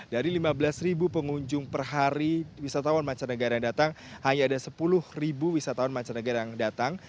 dari lima belas pengunjung per hari wisatawan mancanegara yang datang hanya ada sepuluh wisatawan mancanegara yang datang